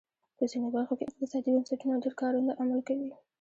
په ځینو برخو کې اقتصادي بنسټونه ډېر کارنده عمل کوي.